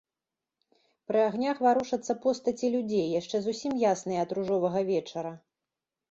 Пры агнях варушацца постаці людзей, яшчэ зусім ясныя ад ружовага вечара.